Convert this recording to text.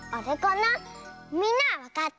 みんなはわかった？